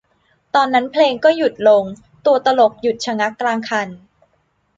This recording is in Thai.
ตอนนั้นเพลงก็หยุดลง ตัวตลกหยุดชะงักกลางคัน